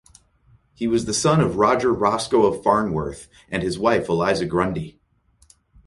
He was the son of Roger Roscoe of Farnworth and his wife Eliza Grundy.